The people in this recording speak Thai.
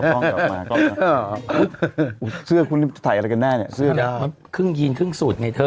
หอมเสื้อคุณที่จะถ่ายอะไรกันหน้านีเสื้อยากครึ่งยีนครึ่งสุดไงเธอ